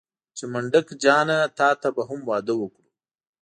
چې منډک جانه تاته به هم واده وکړو.